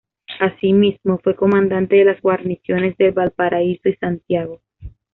Así mismo fue comandante de las guarniciones de Valparaíso y Santiago.